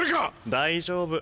大丈夫。